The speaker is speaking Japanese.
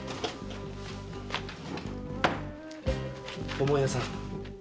巴屋さん。